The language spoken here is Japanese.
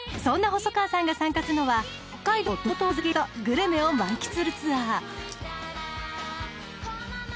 そんな細川さんが参加するのは北海道の道東の絶景とグルメを満喫するツアー。